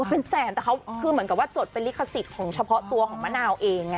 เป็นแสนแต่เขาคือเหมือนกับว่าจดเป็นลิขสิทธิ์ของเฉพาะตัวของมะนาวเอง